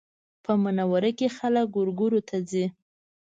په منوره کې خلک ګورګورو ته ځي